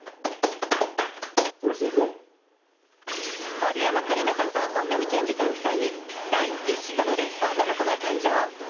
丸山桂里奈さんと本並健治さん夫妻に第１子となる女の子が誕生。